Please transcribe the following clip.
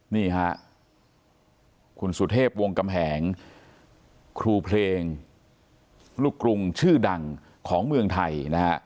นี่ฮะคุณสุเทพวงกำแหงครูเพลงลูกกรุงชื่อดังของเมืองไทยนะฮะ